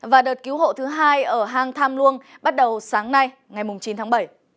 và đợt cứu hộ thứ hai ở hang tham luông bắt đầu sáng nay ngày chín tháng bảy